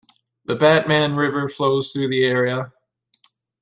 The Batman River flows though the area.